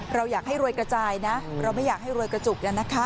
เราอยากให้รวยกระจายนะเราไม่อยากให้รวยกระจุกแล้วนะคะ